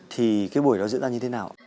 như thế nào